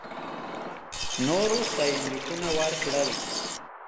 نورو ستاینلیکونه ورکړل.